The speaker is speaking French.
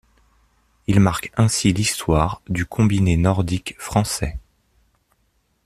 Ils marquent ainsi l'histoire du combiné nordique français.